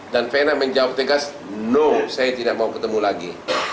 dan vena menjawab tegas no saya tidak mau ketemu lagi